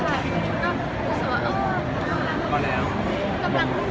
มีโครงการทุกทีใช่ไหม